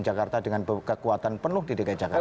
jakarta dengan kekuatan penuh di dki jakarta